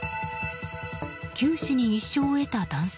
九死に一生を得た男性。